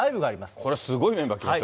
これ、すごいメンバー来ますよ。